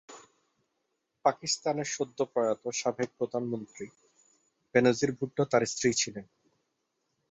পাকিস্তানের সদ্য প্রয়াত সাবেক প্রধানমন্ত্রী বেনজির ভুট্টো তার স্ত্রী ছিলেন।